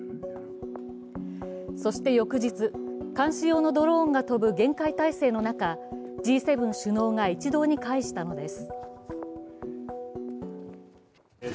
そして翌日、監視用のドローンが飛ぶ厳戒態勢の中、Ｇ７首脳が一堂に会したのです。